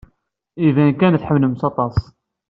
Iban kan tḥemmlemt-tt aṭas.